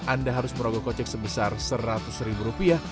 anda harus merogoh kocek sebesar seratus ribu rupiah